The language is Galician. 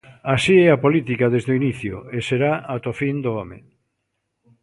Así é a política desde o inicio, e será ata o fin do home.